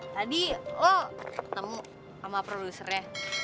tadi lo ketemu sama produsernya